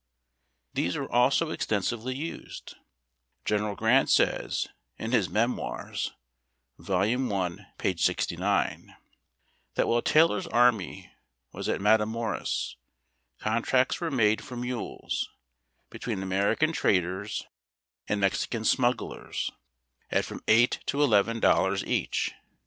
These were also extensively used. General Grant says, in his Memoirs (vol. 1. p. 69), that while Taylor's army was at Matamoras, contracts were made for mules, between American traders and Mexican smugglers, at from eight to eleven dollars 279 280 HABD TACK AND COFFEE. each.